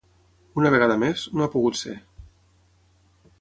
Una vegada més, no ha pogut ser.